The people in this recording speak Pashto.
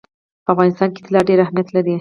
په افغانستان کې طلا ډېر اهمیت لري.